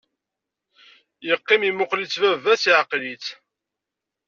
Yeqqim imuqel-it baba-s, iɛqel-it.